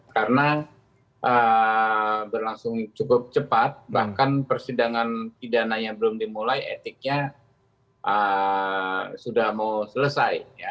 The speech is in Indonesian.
karena berlangsung cukup cepat bahkan persidangan pidana yang belum dimulai etiknya sudah mau selesai